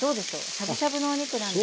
しゃぶしゃぶのお肉なんで。